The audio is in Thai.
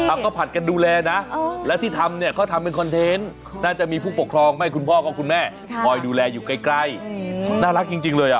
เอาก็ผัดกันดูแลนะและที่ทำเนี่ยเขาทำเป็นคอนเทนต์น่าจะมีผู้ปกครองไม่คุณพ่อก็คุณแม่คอยดูแลอยู่ใกล้น่ารักจริงเลยอ่ะ